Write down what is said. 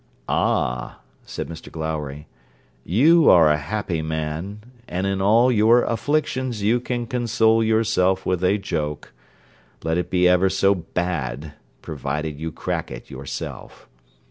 'Ah!' said Mr Glowry, 'you are a happy man, and in all your afflictions you can console yourself with a joke, let it be ever so bad, provided you crack it yourself.